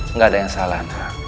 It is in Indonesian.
nggak ada yang salah